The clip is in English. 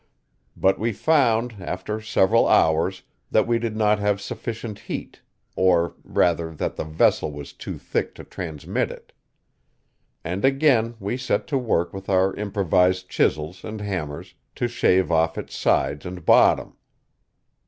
But we found, after several hours, that we did not have sufficient heat or rather that the vessel was too thick to transmit it. And again we set to work with our improvised chisels and hammers, to shave off its sides and bottom.